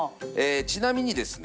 ちなみにですね